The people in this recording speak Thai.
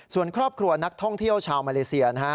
ส่วนครอบครัวนักท่องเที่ยวชาวมาเลเซียนะฮะ